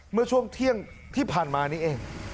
เมื่อช่วงเที่ยงที่ผ่านมานี้เอง